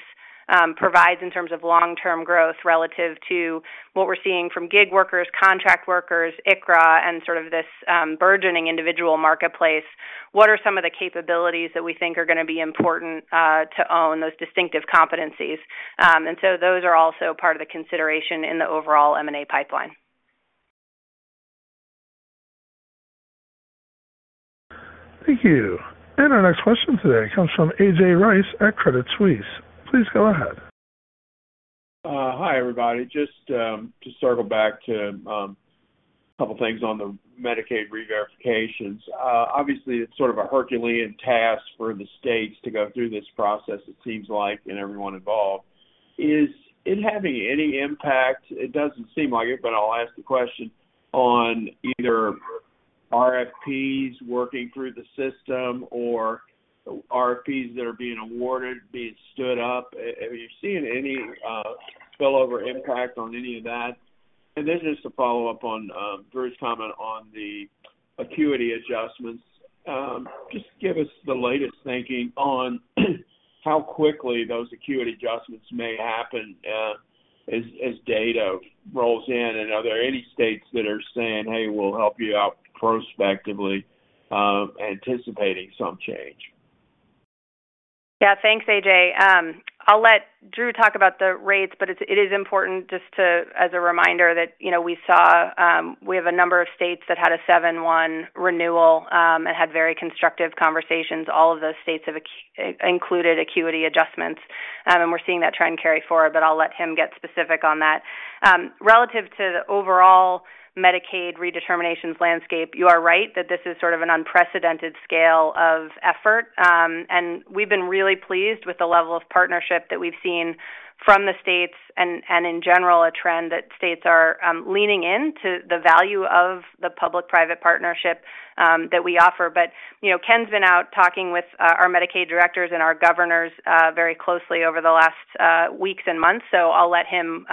provides in terms of long-term growth relative to what we're seeing from gig workers, contract workers, ICHRA, and sort of this burgeoning individual marketplace. What are some of the capabilities that we think are gonna be important to own those distinctive competencies? So those are also part of the consideration in the overall M&A pipeline. Thank you. Our next question today comes from A.J. Rice at Credit Suisse. Please go ahead. Hi, everybody. Just to circle back to a couple of things on the Medicaid reverifications. Obviously, it's sort of a herculean task for the states to go through this process, it seems like, and everyone involved. Is it having any impact? It doesn't seem like it, but I'll ask the question on either RFPs working through the system or RFPs that are being awarded, being stood up. Have you seen any spillover impact on any of that? This is to follow up on Drew's comment on the acuity adjustments. Just give us the latest thinking on how quickly those acuity adjustments may happen, as data rolls in, and are there any states that are saying, "Hey, we'll help you out," prospectively, anticipating some change? Yeah, thanks, A.J. I'll let Drew talk about the rates, but it is important just to, as a reminder, that, you know, we saw, we have a number of states that had a 7/1 renewal and had very constructive conversations. All of those states have included acuity adjustments, and we're seeing that trend carry forward, but I'll let him get specific on that. Relative to the overall Medicaid redeterminations landscape, you are right that this is sort of an unprecedented scale of effort, and we've been really pleased with the level of partnership that we've seen from the states and, and in general, a trend that states are leaning into the value of the public-private partnership that we offer. You know, Ken's been out talking with, our Medicaid directors and our governors, very closely over the last, weeks and months, so I'll let him,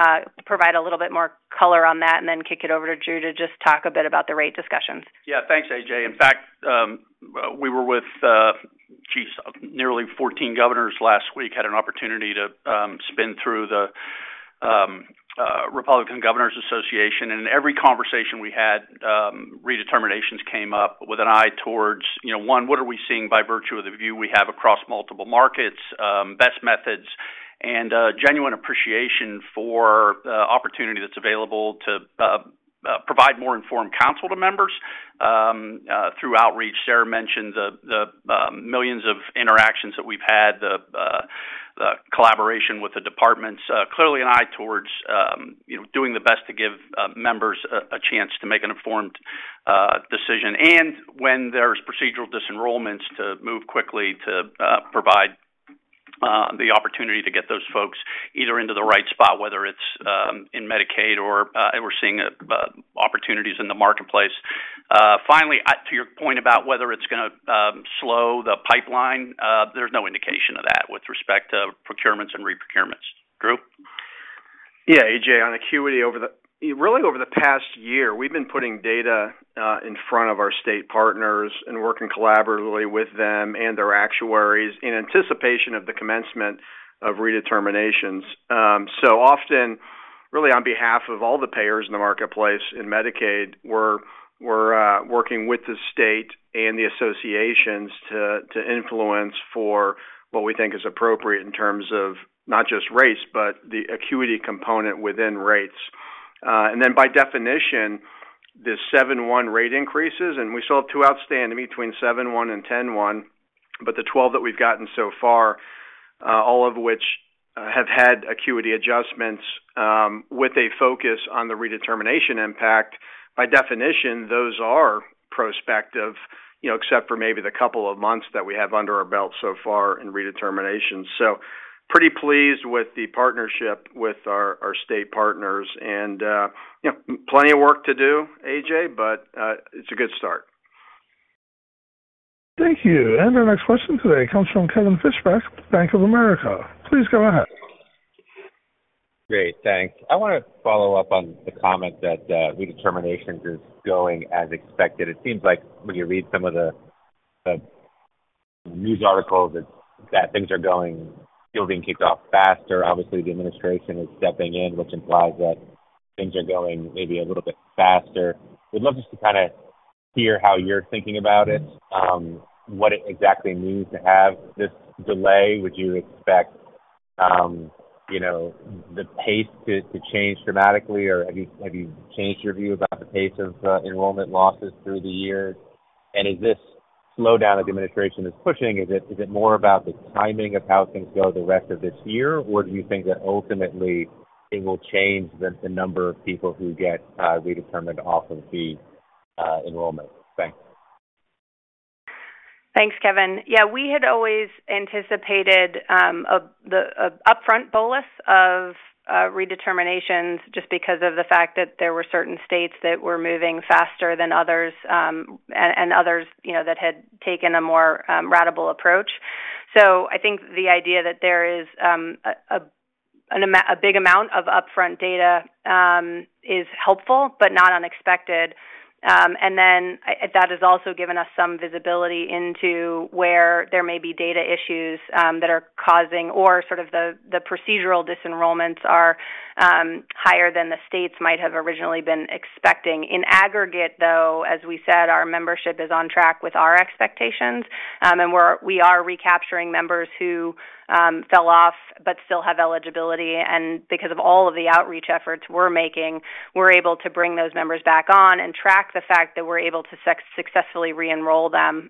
provide a little bit more color on that, and then kick it over to Drew to just talk a bit about the rate discussions. Yeah, thanks, A.J. In fact, we were with, geez, nearly 14 governors last week, had an opportunity to spin through the Republican Governors Association. In every conversation we had, redeterminations came up with an eye towards, you know, one, what are we seeing by virtue of the view we have across multiple markets, best methods, and genuine appreciation for opportunity that's available to provide more informed counsel to members through outreach. Sarah mentioned the, the millions of interactions that we've had, the collaboration with the departments. Clearly an eye towards, you know, doing the best to give members a chance to make an informed decision, and when there's procedural disenrollments, to move quickly to provide the opportunity to get those folks either into the right spot, whether it's in Medicaid or, and we're seeing opportunities in the marketplace. Finally, to your point about whether it's gonna slow the pipeline, there's no indication of that with respect to procurements and reprocurements. Drew? Yeah, A.J., on acuity, over the-- really, over the past year, we've been putting data in front of our state partners and working collaboratively with them and their actuaries in anticipation of the commencement of redeterminations. Often, really, on behalf of all the payers in the marketplace in Medicaid, we're, we're working with the state and the associations to, to influence for what we think is appropriate in terms of not just rates, but the acuity component within rates. Then by definition, the 7/1 rate increases, and we still have two outstanding between 7/1 and 10/1, but the 12 that we've gotten so far, all of which, have had acuity adjustments, with a focus on the redetermination impact, by definition, those are prospective, you know, except for maybe the couple of months that we have under our belt so far in redeterminations. Pretty pleased with the partnership with our, our state partners, and, you know, plenty of work to do, A.J. Rice, but, it's a good start. Thank you. Our next question today comes from Kevin Fischbeck, Bank of America. Please go ahead. Great, thanks. I wanna follow up on the comment that redeterminations is going as expected. It seems like when you read some of the news articles, that things are going, still being kicked off faster. Obviously, the administration is stepping in, which implies that things are going maybe a little bit faster. We'd love just to kinda hear how you're thinking about it, what it exactly means to have this delay. Would you expect, you know, the pace to change dramatically, or have you, have you changed your view about the pace of enrollment losses through the year? Is this slowdown that the administration is pushing, is it more about the timing of how things go the rest of this year, or do you think that ultimately it will change the number of people who get redetermined off of the enrollment? Thanks. Thanks, Kevin. Yeah, we had always anticipated the upfront bolus of redeterminations just because of the fact that there were certain states that were moving faster than others, and others, you know, that had taken a more ratable approach. I think the idea that there is an amount, a big amount of upfront data, is helpful, but not unexpected. And then that has also given us some visibility into where there may be data issues, that are causing or sort of the procedural disenrollments are higher than the states might have originally been expecting. In aggregate, though, as we said, our membership is on track with our expectations, and we are recapturing members who fell off but still have eligibility. Because of all of the outreach efforts we're making, we're able to bring those members back on and track the fact that we're able to successfully reenroll them.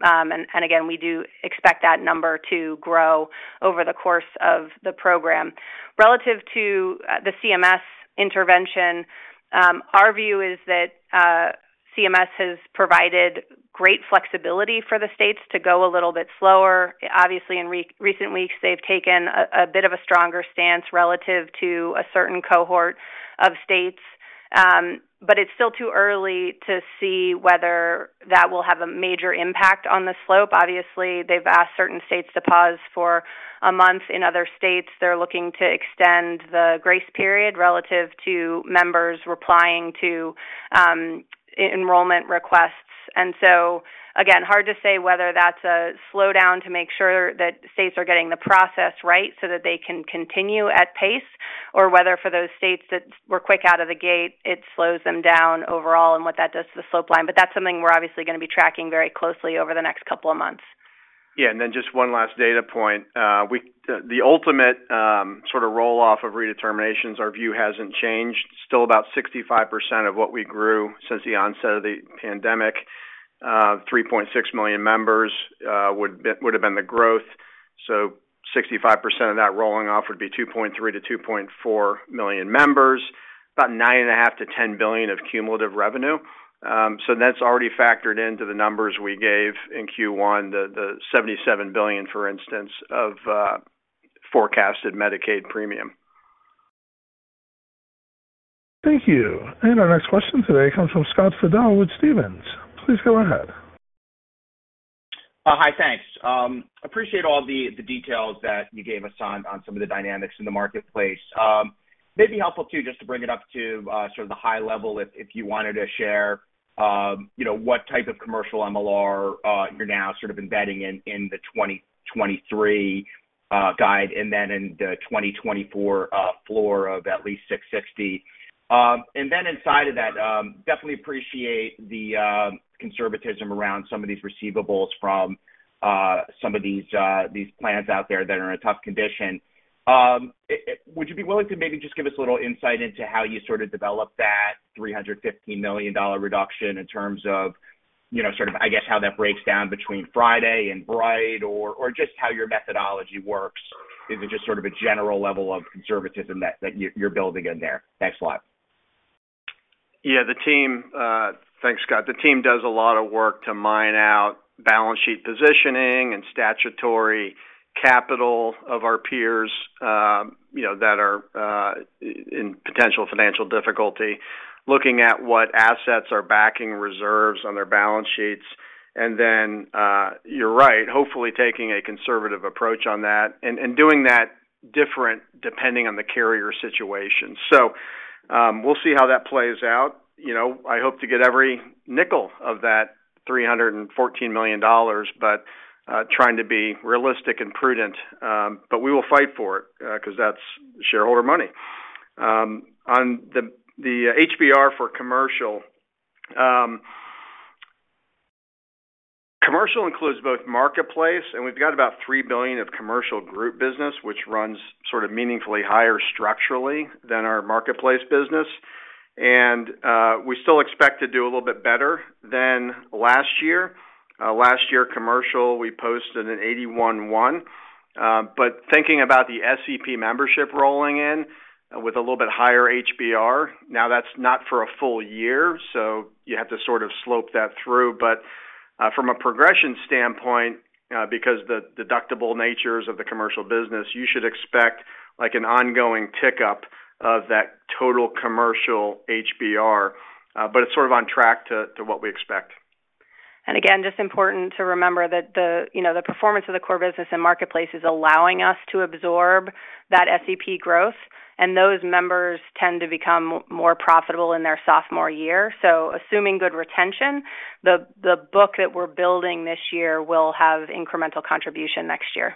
Again, we do expect that number to grow over the course of the program. Relative to the CMS intervention, our view is that CMS has provided great flexibility for the states to go a little bit slower. Obviously, in recent weeks, they've taken a bit of a stronger stance relative to a certain cohort of states. It's still too early to see whether that will have a major impact on the slope. Obviously, they've asked certain states to pause for a month. In other states, they're looking to extend the grace period relative to members replying to enrollment requests. Again, hard to say whether that's a slowdown to make sure that states are getting the process right so that they can continue at pace, or whether for those states that were quick out of the gate, it slows them down overall and what that does to the slope line. That's something we're obviously gonna be tracking very closely over the next couple of months. Yeah, just one last data point. The ultimate, sort of roll-off of redeterminations, our view hasn't changed. Still about 65% of what we grew since the onset of the pandemic, 3.6 million members, would have been the growth. 65% of that rolling off would be 2.3 million-2.4 million members, about $9.5 billion-$10 billion of cumulative revenue. That's already factored into the numbers we gave in Q1, the $77 billion, for instance, of forecasted Medicaid premium. Thank you. Our next question today comes from Scott Fidel with Stephens. Please go ahead. Hi, thanks. Appreciate all the details that you gave us on some of the dynamics in the marketplace. May be helpful, too, just to bring it up to sort of the high level, if you wanted to share, you know, what type of commercial MLR you're now sort of embedding in the 2023 guide and then in the 2024 floor of at least $660. Then inside of that, definitely appreciate the conservatism around some of these receivables from some of these plans out there that are in a tough condition. Would you be willing to maybe just give us a little insight into how you sort of developed that $315 million reduction in terms of, you know, sort of, I guess, how that breaks down between Friday Health Plans and Bright Health, or, or just how your methodology works? Is it just sort of a general level of conservatism that, that you're, you're building in there? Thanks a lot. Yeah, the team, thanks, Scott. The team does a lot of work to mine out balance sheet positioning and statutory capital of our peers, you know, that are in potential financial difficulty, looking at what assets are backing reserves on their balance sheets. You're right, hopefully taking a conservative approach on that and doing that different depending on the carrier situation. We'll see how that plays out. You know, I hope to get every nickel of that $314 million, but trying to be realistic and prudent, but we will fight for it 'cause that's shareholder money. On the HBR for commercial, commercial includes both marketplace, and we've got about $3 billion of commercial group business, which runs sort of meaningfully higher structurally than our marketplace business. We still expect to do a little bit better than last year. Last year, commercial, we posted an 81.1%, but thinking about the SEP membership rolling in with a little bit higher HBR, now that's not for a full year, so you have to sort of slope that through. From a progression standpoint, because the deductible natures of the commercial business, you should expect, like, an ongoing tick-up of that total commercial HBR, but it's sort of on track to, to what we expect. Again, just important to remember that the, you know, the performance of the core business and marketplace is allowing us to absorb that SEP growth, and those members tend to become more profitable in their sophomore year. Assuming good retention, the, the book that we're building this year will have incremental contribution next year.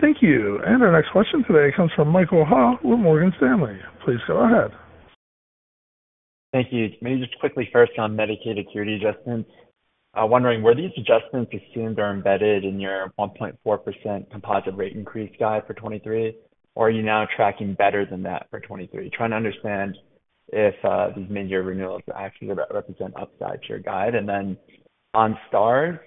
Thank you. Our next question today comes from Michael Ha with Morgan Stanley. Please go ahead. Thank you. Maybe just quickly first on Medicaid acuity adjustments. Wondering, were these adjustments assumed or embedded in your 1.4% composite rate increase guide for 2023, or are you now tracking better than that for 2023? Trying to understand if these mid-year renewals actually represent upside to your guide. On stars,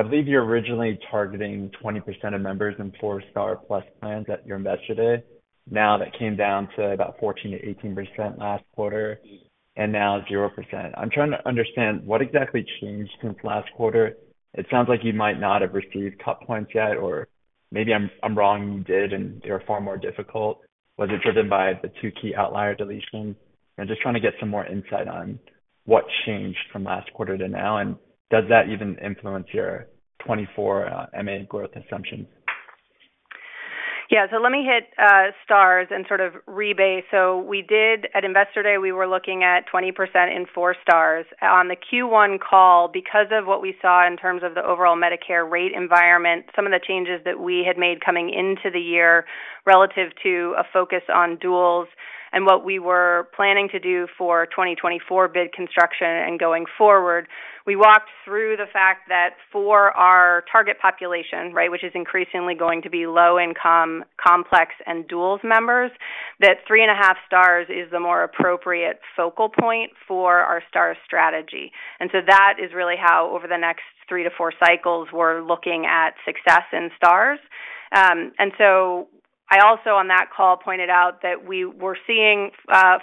I believe you're originally targeting 20% of members in 4-star plus plans at your measure day. Now, that came down to about 14%-18% last quarter and now 0%. I'm trying to understand what exactly changed since last quarter. It sounds like you might not have received top points yet, or? Maybe I'm, I'm wrong, you did, and they were far more difficult. Was it driven by the two key outlier deletions? I'm just trying to get some more insight on what changed from last quarter to now, and does that even influence your 2024 MA growth assumption? Yeah. Let me hit stars and sort of rebate. We did at Investor Day, we were looking at 20% in 4 stars. On the Q1 call, because of what we saw in terms of the overall Medicare rate environment, some of the changes that we had made coming into the year relative to a focus on duals and what we were planning to do for 2024 bid construction and going forward, we walked through the fact that for our target population, right, which is increasingly going to be low-income, complex, and duals members, that 3.5 stars is the more appropriate focal point for our star strategy. That is really how over the next three to four cycles, we're looking at success in stars. And so I also, on that call, pointed out that we were seeing,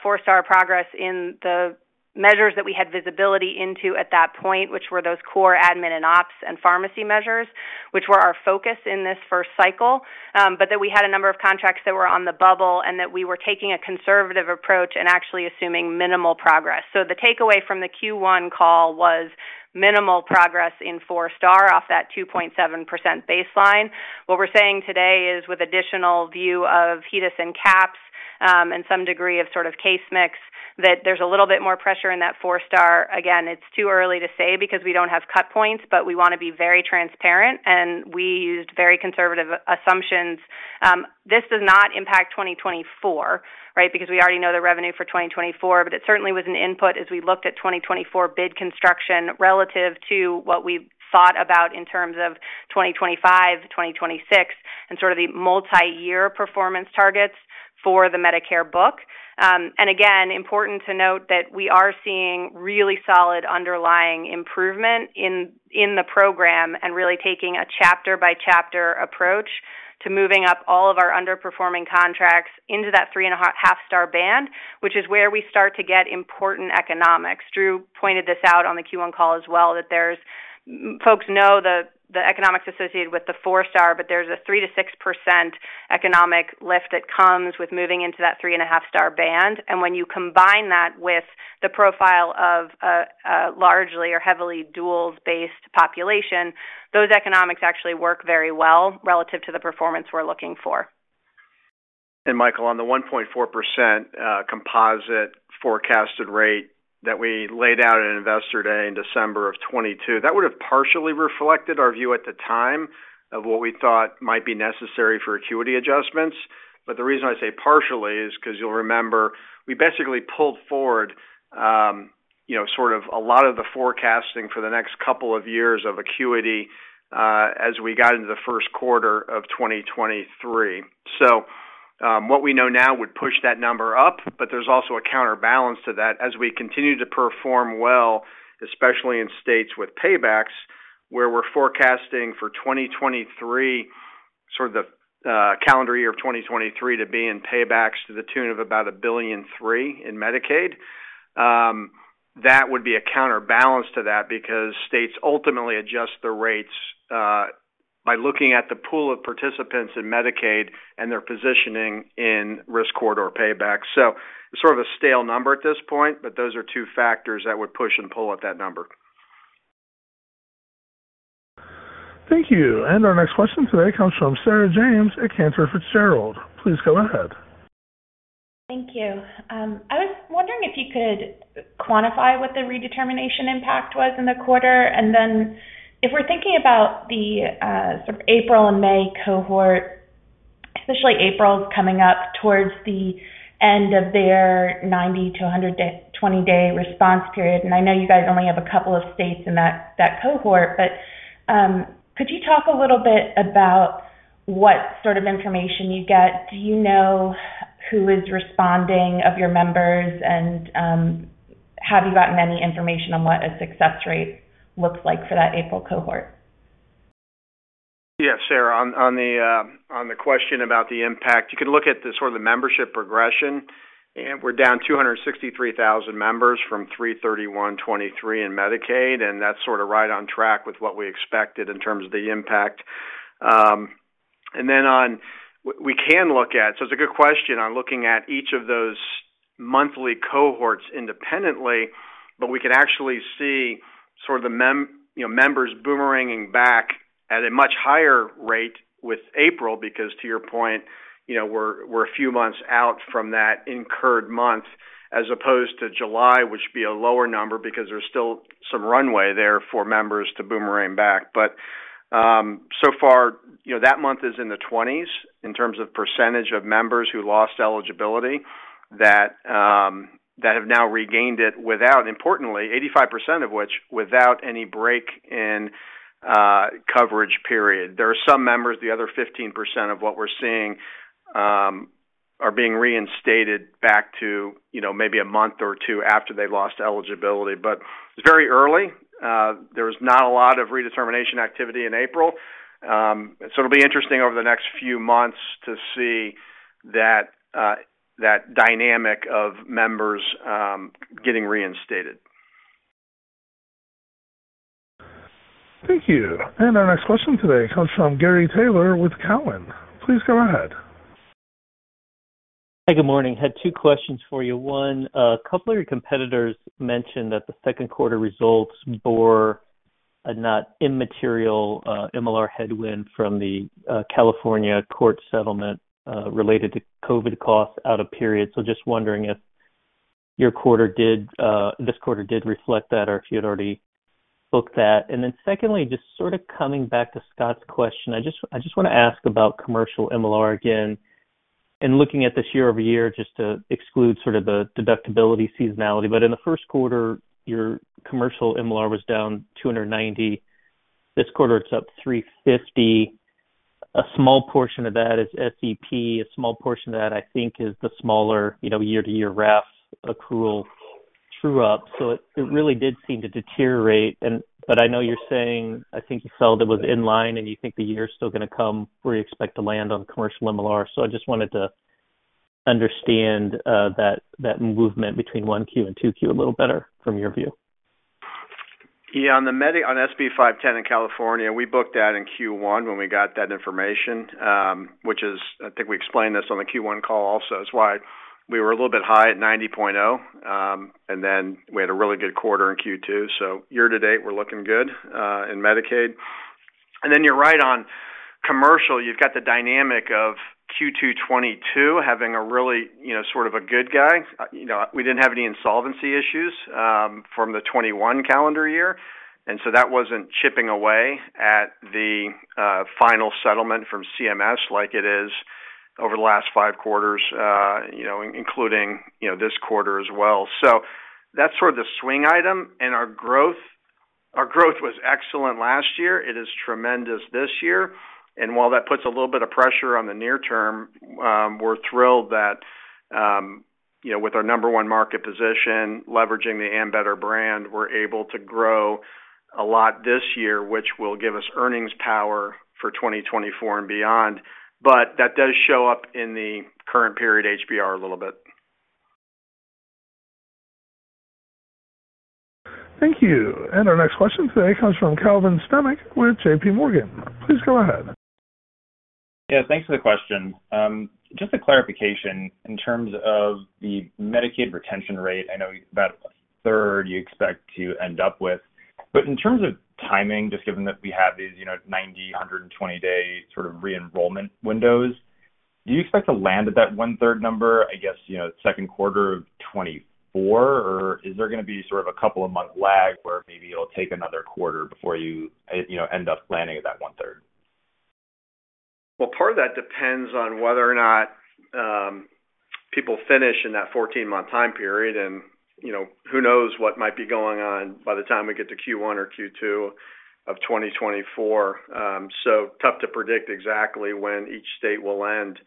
four star progress in the measures that we had visibility into at that point, which were those core admin and ops and pharmacy measures, which were our focus in this first cycle, but that we had a number of contracts that were on the bubble and that we were taking a conservative approach and actually assuming minimal progress. The takeaway from the Q1 call was minimal progress in four star off that 2.7% baseline. What we're saying today is with additional view of HEDIS and CAHPS, and some degree of sort of case mix, that there's a little bit more pressure in that four star. Again, it's too early to say because we don't have cut points, but we want to be very transparent, and we used very conservative assumptions. This does not impact 2024, right? Because we already know the revenue for 2024, it certainly was an input as we looked at 2024 bid construction relative to what we thought about in terms of 2025, 2026, and sort of the multi-year performance targets for the Medicare book. Again, important to note that we are seeing really solid underlying improvement in, in the program and really taking a chapter by chapter approach to moving up all of our underperforming contracts into that 3.5 star band, which is where we start to get important economics. Drew pointed this out on the Q1 call as well, that folks know the, the economics associated with the 4-star, but there's a 3%-6% economic lift that comes with moving into that 3.5-star band. When you combine that with the profile of a, a largely or heavily duals-based population, those economics actually work very well relative to the performance we're looking for. Michael, on the 1.4% composite forecasted rate that we laid out at Investor Day in December of 2022, that would have partially reflected our view at the time of what we thought might be necessary for acuity adjustments. The reason I say partially is because you'll remember, we basically pulled forward, you know, sort of a lot of the forecasting for the next couple of years of acuity, as we got into the first quarter of 2023. What we know now would push that number up, but there's also a counterbalance to that as we continue to perform well, especially in states with paybacks, where we're forecasting for 2023, sort of the calendar year of 2023 to be in paybacks to the tune of about $1.3 billion in Medicaid. That would be a counterbalance to that, because states ultimately adjust the rates, by looking at the pool of participants in Medicaid and their positioning in risk corridor paybacks. Sort of a stale number at this point, but those are two factors that would push and pull at that number. Thank you. Our next question today comes from Sarah James at Cantor Fitzgerald. Please go ahead. Thank you. I was wondering if you could quantify what the redetermination impact was in the quarter. If we're thinking about the sort of April and May cohort, especially April, coming up towards the end of their 90-100 day, 20-day response period, and I know you guys only have a couple of states in that, that cohort, but could you talk a little bit about what sort of information you get? Do you know who is responding of your members, and have you gotten any information on what a success rate looks like for that April cohort? Yeah, Sarah, on, on the on the question about the impact, you can look at the sort of the membership progression. We're down 263,000 members from 03/31/2023 in Medicaid. That's sort of right on track with what we expected in terms of the impact. We can look at. It's a good question on looking at each of those monthly cohorts independently. We can actually see sort of the you know, members boomeranging back at a much higher rate with April. To your point, you know, we're a few months out from that incurred month, as opposed to July, which would be a lower number. There's still some runway there for members to boomerang back. So far, you know, that month is in the 20s in terms of percentage of members who lost eligibility, that have now regained it without, importantly, 85% of which, without any break in coverage period. There are some members, the other 15% of what we're seeing, are being reinstated back to, you know, maybe one or two months after they lost eligibility. It's very early. There's not a lot of redetermination activity in April. It'll be interesting over the next few months to see that dynamic of members getting reinstated. Thank you. Our next question today comes from Gary Taylor with Cowen. Please go ahead. Hey, good morning. Had two questions for you. One, a couple of your competitors mentioned that the second quarter results bore a not immaterial MLR headwind from the California court settlement related to COVID costs out of period. Just wondering if your quarter did, this quarter did reflect that or if you had already booked that. Secondly, just sort of coming back to Scott's question, I just, I just want to ask about commercial MLR again, looking at this year-over-year, just to exclude sort of the deductibility seasonality. In the first quarter, your commercial MLR was down 290. This quarter, it's up 350. A small portion of that is SEP. A small portion of that, I think, is the smaller, you know, year-to-year RAF accrual true-up. It, it really did seem to deteriorate. I know you're saying, I think you felt it was in line, and you think the year is still going to come where you expect to land on commercial MLR. I just wanted to understand that, that movement between 1Q and 2Q a little better from your view. Yeah, on SB 510 in California, we booked that in Q1 when we got that information, which is, I think we explained this on the Q1 call also, is why we were a little bit high at 90.0. Then we had a really good quarter in Q2, so year-to-date, we're looking good in Medicaid. Then you're right on commercial. You've got the dynamic of Q2 2022 having a really, you know, sort of a good guy. You know, we didn't have any insolvency issues from the 2021 calendar year, so that wasn't chipping away at the final settlement from CMS like it is over the last five quarters, you know, including, you know, this quarter as well. That's sort of the swing item. Our growth, our growth was excellent last year. It is tremendous this year. While that puts a little bit of pressure on the near term, we're thrilled that, you know, with our number 1 market position, leveraging the Ambetter brand, we're able to grow a lot this year, which will give us earnings power for 2024 and beyond. That does show up in the current period HBR a little bit. Thank you. Our next question today comes from Calvin Sternick with JPMorgan. Please go ahead. Yeah, thanks for the question. Just a clarification in terms of the Medicaid retention rate. I know about a third you expect to end up with, but in terms of timing, just given that we have these, you know, 90, 120 day sort of re-enrollment windows, do you expect to land at that one-third number, I guess, you know, second quarter of 2024? Or is there going to be sort of a couple of months lag where maybe it'll take another quarter before you, you know, end up landing at that 1/3? Well, part of that depends on whether or not, people finish in that 14-month time period, and, you know, who knows what might be going on by the time we get to Q1 or Q2 of 2024. Tough to predict exactly when each state will end.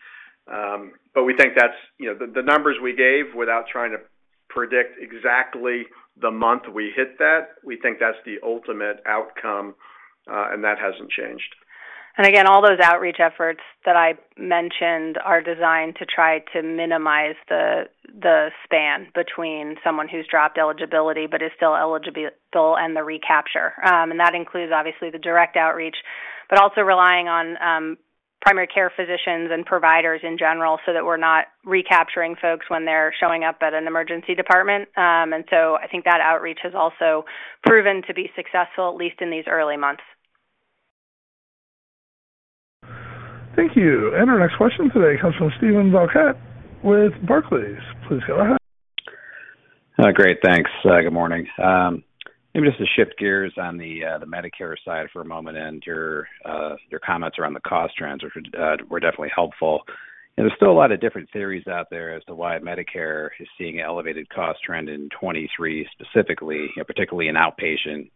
We think that's, you know, the, the numbers we gave without trying to predict exactly the month we hit that, we think that's the ultimate outcome, and that hasn't changed. Again, all those outreach efforts that I mentioned are designed to try to minimize the, the span between someone who's dropped eligibility but is still eligible and the recapture. That includes, obviously, the direct outreach, but also relying on primary care physicians and providers in general, so that we're not recapturing folks when they're showing up at an emergency department. I think that outreach has also proven to be successful, at least in these early months. Thank you. Our next question today comes from Steven Valiquette with Barclays. Please go ahead. Great, thanks. Good morning. Maybe just to shift gears on the Medicare side for a moment, and your comments around the cost trends, which were definitely helpful. There's still a lot of different theories out there as to why Medicare is seeing elevated cost trend in 2023, specifically, particularly in outpatient,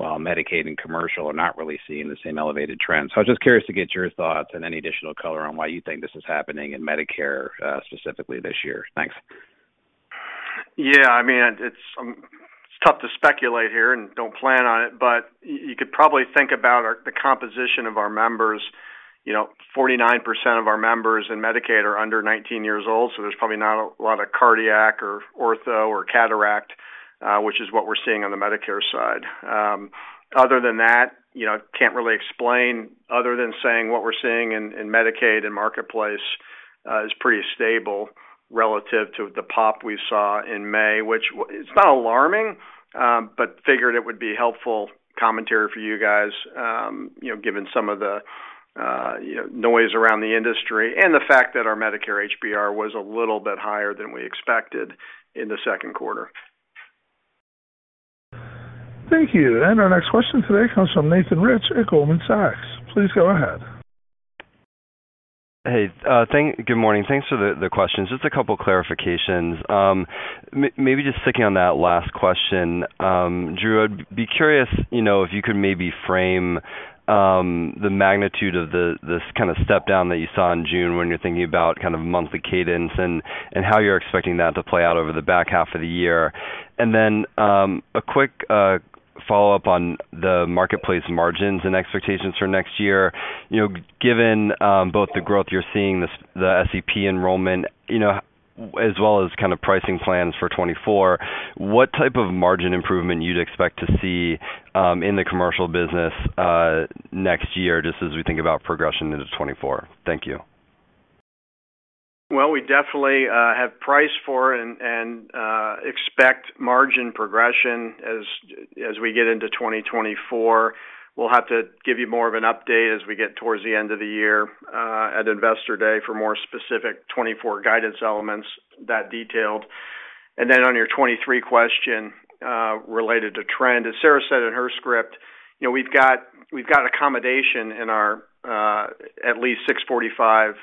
while Medicaid and commercial are not really seeing the same elevated trends. I was just curious to get your thoughts and any additional color on why you think this is happening in Medicare, specifically this year. Thanks. Yeah, I mean, it's, it's tough to speculate here and don't plan on it, but y- you could probably think about our-- the composition of our members. You know, 49% of our members in Medicaid are under 19 years old, so there's probably not a lot of cardiac or ortho or cataract, which is what we're seeing on the Medicare side. Other than that, you know, can't really explain, other than saying what we're seeing in, in Medicaid and Marketplace, is pretty stable relative to the pop we saw in May, which w-- it's not alarming. Figured it would be helpful commentary for you guys, you know, given some of the, you know, noise around the industry and the fact that our Medicare HBR was a little bit higher than we expected in the 2Q. Thank you. Our next question today comes from Nathan Rich at Goldman Sachs. Please go ahead. Hey, good morning. Thanks for the questions. Just a couple clarifications. Maybe just sticking on that last question, Drew, I'd be curious, you know, if you could maybe frame the magnitude of this kind of step down that you saw in June when you're thinking about kind of monthly cadence and how you're expecting that to play out over the back half of the year. Then a quick follow-up on the marketplace margins and expectations for next year. You know, given both the growth you're seeing, the SEP enrollment, you know, as well as kind of pricing plans for 2024, what type of margin improvement you'd expect to see in the commercial business next year, just as we think about progression into 2024? Thank you. Well, we definitely have priced for and, and expect margin progression as, as we get into 2024. We'll have to give you more of an update as we get towards the end of the year at Investor Day for more specific 2024 guidance elements, that detailed. Then on your 2023 question related to trend, as Sarah said in her script, you know, we've got, we've got accommodation in our at least $6.45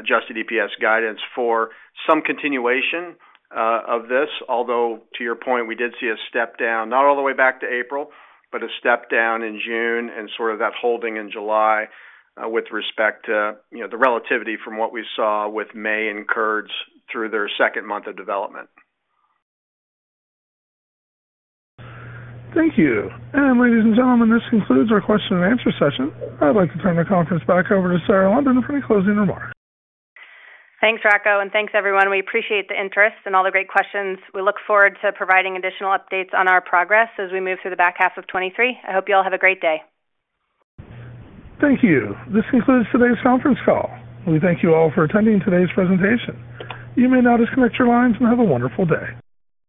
adjusted EPS guidance for some continuation of this. Although, to your point, we did see a step down, not all the way back to April, but a step down in June and sort of that holding in July with respect to, you know, the relativity from what we saw with May and incurreds through their second month of development. Thank you. Ladies and gentlemen, this concludes our question and answer session. I'd like to turn the conference back over to Sarah London for any closing remarks. Thanks, Rocco, and thanks, everyone. We appreciate the interest and all the great questions. We look forward to providing additional updates on our progress as we move through the back half of 2023. I hope you all have a great day. Thank you. This concludes today's conference call. We thank you all for attending today's presentation. You may now disconnect your lines, and have a wonderful day.